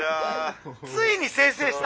ついに生成した。